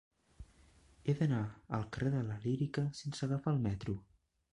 He d'anar al carrer de la Lírica sense agafar el metro.